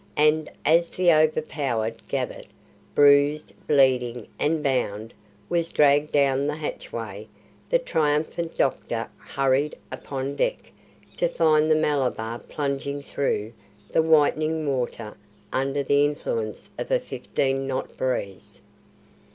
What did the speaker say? and as the overpowered Gabbett, bruised, bleeding, and bound, was dragged down the hatchway, the triumphant doctor hurried upon deck to find the Malabar plunging through the whitening water under the influence of a fifteen knot breeze.